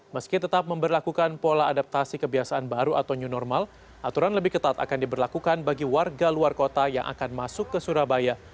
meski tetap memperlakukan pola adaptasi kebiasaan baru atau new normal aturan lebih ketat akan diberlakukan bagi warga luar kota yang akan masuk ke surabaya